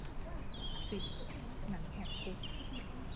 สิบ หนังแหกคุก